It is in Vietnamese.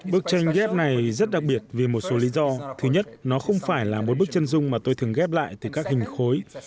bức tranh ghép này rất đặc biệt vì một số lý do thứ nhất nó không phải là một bức chân dung mà tôi thường ghép lại từ các hình khối